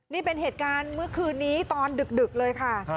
นี่เป็นเหตุการณ์เมื่อคืนนี้ตอนดึกเลยค่ะ